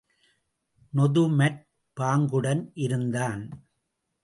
நொதுமற் பாங்குடன் இருந்தான்.